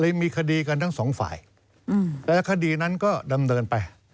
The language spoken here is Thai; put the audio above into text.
มีคดีกันทั้งสองฝ่ายและคดีนั้นก็ดำเนินไป